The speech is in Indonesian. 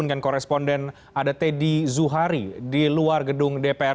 dengan koresponden ada teddy zuhari di luar gedung dpr